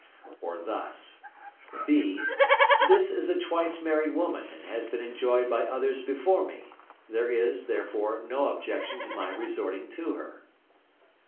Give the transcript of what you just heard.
Or thus: (b). This is a twice married woman and has been enjoyed by others before me, there is, therefore, no objection to my resorting to her.